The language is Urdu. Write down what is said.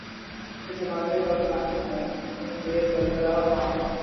یہ جماعتیں کب قائم ہوئیں، ان کے سربراہ کون ہیں۔